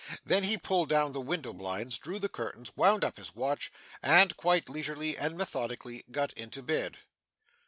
Then, he pulled down the window blinds, drew the curtains, wound up his watch, and, quite leisurely and methodically, got into bed.